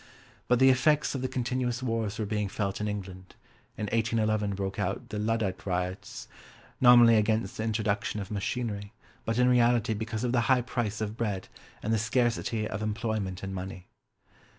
But the effects of the continuous wars were being felt in England, in 1811 broke out the Luddite riots, nominally against the introduction of machinery, but in reality because of the high price of bread and the scarcity of employment and money.